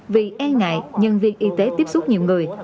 vì e ngại nhân viên y tế tiếp xúc nhiều người